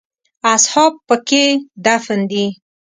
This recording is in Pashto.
اصحاب په کې دفن دي.